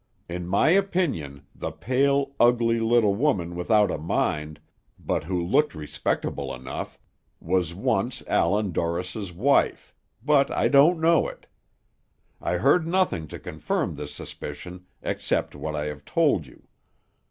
In my opinion the pale, ugly little woman without a mind, but who looked respectable enough, was once Allan Dorris's wife, but I don't know it; I heard nothing to confirm this suspicion except what I have told you.